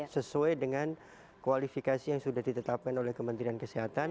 sesuai dengan kualifikasi yang sudah ditetapkan oleh kementerian kesehatan